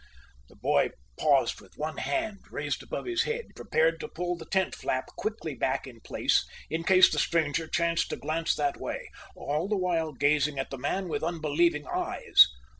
The boy paused with one hand raised above his head, prepared to pull the tent flap quickly back in place in case the stranger chanced to glance that way, all the while gazing at the man with unbelieving eyes.